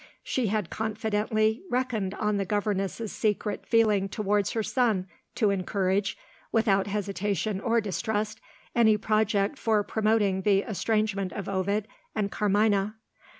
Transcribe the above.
She had confidently reckoned on the governess's secret feeling towards her son to encourage, without hesitation or distrust, any project for promoting the estrangement of Ovid and Carmina.